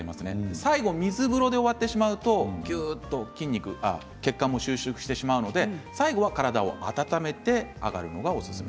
最後、水風呂で終わってしまうとぎゅっと血管も収縮してしまうので最後は体を温めて上がるのがおすすめ。